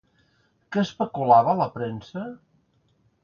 Què especulava la premsa?